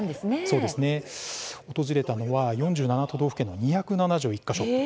そうですね、訪れたのは４７都道府県の２７１か所。